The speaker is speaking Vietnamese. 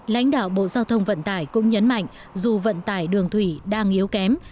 lãnh đạo bộ giao thông vận tải cũng nhấn mạnh dù vận tải đường thủy đang yếu kém